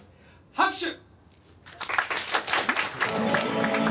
「拍手！」